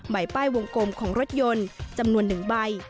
ป้ายวงกลมของรถยนต์จำนวน๑ใบ